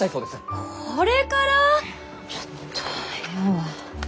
ちょっと部屋は。